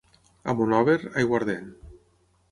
A Monòver, aiguardent.